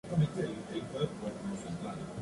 Es casado, con dos hijas.